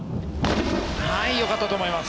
良かったと思います。